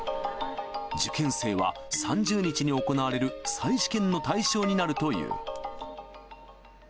受験生は３０日に行われる再試験の対象になるという。